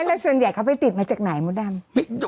แล้วส่วนใหญ่เขาไปติดมาจากไหนมดดำ